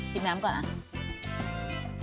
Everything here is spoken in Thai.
ชิมน้ำก่อนนะ